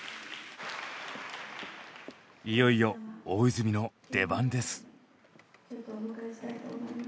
いよいよ大泉の出番です。